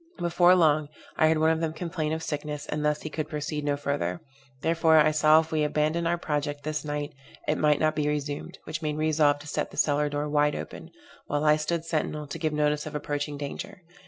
Before long, I heard one of them complain of sickness, and thus he could proceed no further; therefore, I saw if we abandoned our project this night, it might not be resumed, which made me resolve to set the cellar door wide open, while I stood sentinel to give notice of approaching danger.